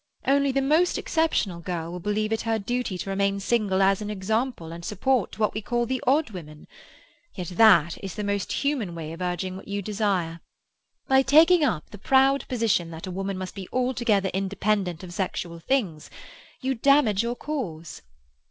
Only the most exceptional girl will believe it her duty to remain single as an example and support to what we call the odd women; yet that is the most human way of urging what you desire. By taking up the proud position that a woman must be altogether independent of sexual things, you damage your cause.